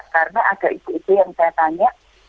karena ada ibu ibu yang saya tanya